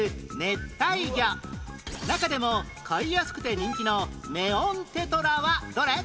中でも飼いやすくて人気のネオンテトラはどれ？